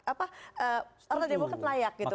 alat demokrat layak gitu